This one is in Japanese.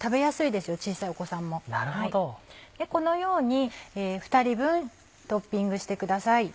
でこのように２人分トッピングしてください。